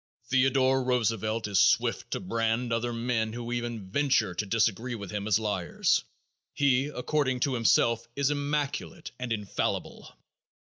Theodore Roosevelt is swift to brand other men who even venture to disagree with him as liars. He, according to himself, is immaculate and infallible.